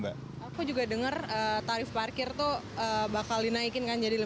aku juga dengar tarif parkir itu bakal dinaikkan jadi rp lima puluh